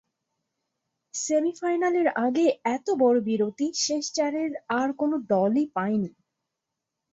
সেমিফাইনালের আগে এত বড় বিরতি শেষ চারের আর কোনো দলই পায়নি।